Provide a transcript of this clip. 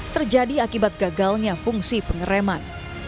terjadi akibat gagalnya fungsi pengereman